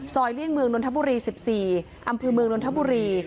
เลี่ยงเมืองนนทบุรี๑๔อำเภอเมืองนนทบุรี